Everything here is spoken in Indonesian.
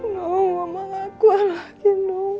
nuh mama gak kuat lagi nuh